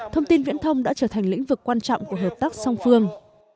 thông tin viễn thông đã trở thành lĩnh vực quan trọng của hợp tác song phương